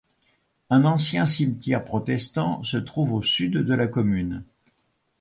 Un ancien cimetière protestant se trouve au sud de la commune.